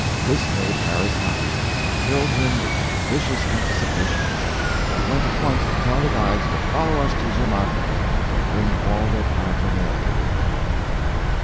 This made Harris happy, and filled him with ambitious anticipations. He went at once to tell the guides to follow us to Zermatt and bring all their paraphernalia with them.